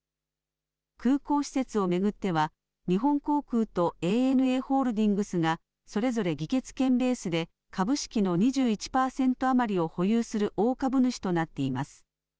空港施設を巡っては日本航空とＡＮＡホールディングスがそれぞれ議決権ベースで株式の２１％余りを保有する大株主となっています。